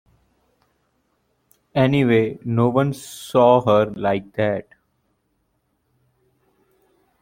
Anyway, no one saw her like that.